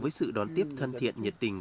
với sự đón tiếp thân thiện nhiệt tình